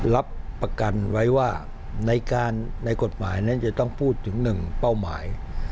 รับประกันไว้ว่าในกฎหมายนั้นจะต้องพูดถึง๑เป้าหมาย